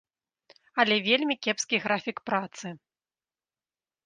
Але вельмі кепскі графік працы.